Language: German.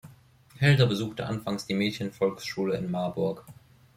Hilda besuchte anfangs die Mädchen-Volksschule in Marburg.